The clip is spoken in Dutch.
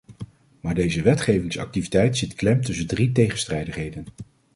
Maar deze wetgevingsactiviteit zit klem tussen drie tegenstrijdigheden.